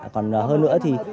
còn hơn nữa thì